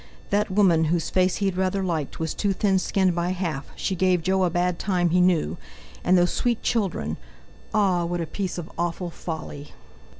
That woman, whose face he had rather liked, was too thin skinned by half; she gave Jo a bad time he knew! And those sweet children! Ah! what a piece of awful folly!